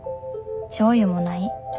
しょうゆもない。